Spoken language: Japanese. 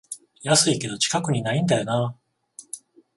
安いけど近くにないんだよなあ